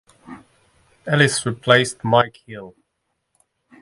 Ellis replaced Mike Hill.